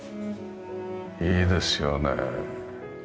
いいですよねえ。